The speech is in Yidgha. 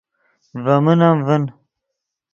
ڤے من ام ڤین